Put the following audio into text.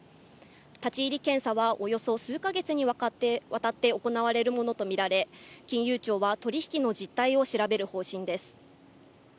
立ち入り検査は、およそ数か月にわたって行われるものとみられ、金融庁は取り引きの実態を調べる方針です。